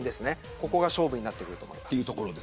ここが勝負になると思います。